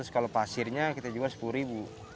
kalau pasirnya kita jual rp sepuluh